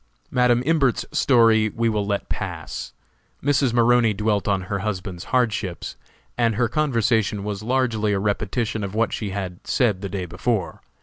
Madam Imbert's story we will let pass. Mrs. Maroney dwelt on her husband's hardships, and her conversation was largely a repetition of what she had said the day before.